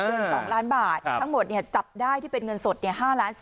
เงิน๒ล้านบาททั้งหมดจับได้ที่เป็นเงินสด๕๔๐๐